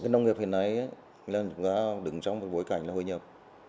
nông nghiệp hiện nay đứng trong một bối cảnh hội nhập